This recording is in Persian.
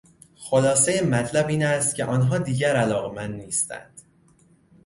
خلاصهی مطلب این است که آنها دیگر علاقهمند نیستند.